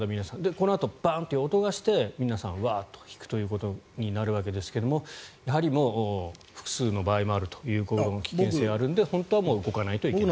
このあとバンという音がして皆さん、ワーッと引くことになるわけですがやはりもう、複数の場合もあるという行動の危険性もあるので本当は動かないといけないと。